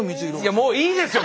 もういいですよ！